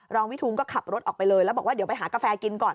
วิทูลก็ขับรถออกไปเลยแล้วบอกว่าเดี๋ยวไปหากาแฟกินก่อน